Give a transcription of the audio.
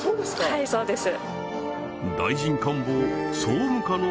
はいそうです